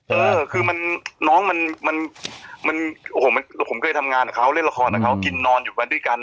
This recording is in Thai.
เออคือน้องผมเคยทำงานกับเขาเล่นละครกินนอนอยู่ทัวร์ด้วยกัน